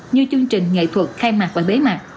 như chương trình nghệ thuật khai mạc và bế mạc